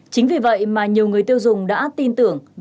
chính vì vậy mà nhiều người tiêu dùng đã tin tưởng